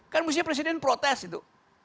kan mestinya presiden protes itu